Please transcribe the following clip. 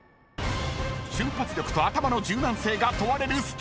［瞬発力と頭の柔軟性が問われるステージ］